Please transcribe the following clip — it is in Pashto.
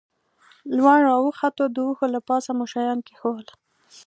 لوړ را وختو، د وښو له پاسه مو شیان کېښوول.